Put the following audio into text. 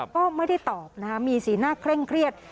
ก็ไม่ได้ตอบนะคะมีสีหน้าเคร่งเครียด